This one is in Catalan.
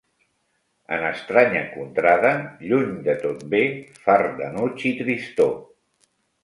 En estranya contrada, lluny de tot bé, fart d'enuig i tristor.